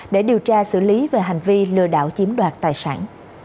để điều tra xử lý về hành vi lừa đảo chiếm đoạt tài sản